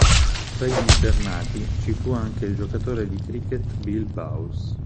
Tra gli internati ci fu anche il giocatore di cricket Bill Bowes.